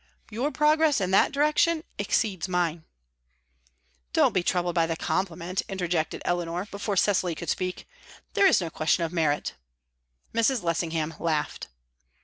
"Your progress in that direction exceeds mine." "Don't be troubled by the compliment," interjected Eleanor, before Cecily could speak. "There is no question of merit." Mrs. Lessingham laughed.